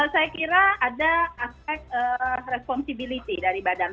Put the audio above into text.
saya kira ada aspek responsibility dari badan